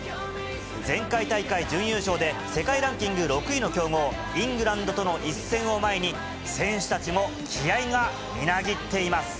前回大会準優勝で、世界ランキング６位の強豪、イングランドとの一戦を前に、選手たちも気合いがみなぎっています。